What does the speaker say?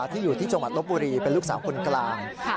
ที่อยู่ที่สมรรถลบบุรีเป็นลูกสาวคนกลางค่ะ